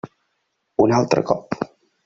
Un altre cop.